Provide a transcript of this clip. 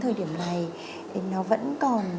thời điểm này thì nó vẫn còn